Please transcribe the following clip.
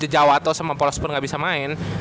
jawa atau sama polos pun nggak bisa main